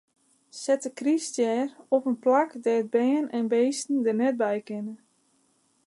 Set de kryststjer op in plak dêr't bern en bisten der net by kinne.